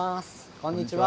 こんにちは。